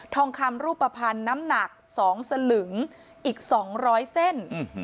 ทองคำรูปภัณฑ์น้ำหนัก๒สลึงอีก๒๐๐เส้น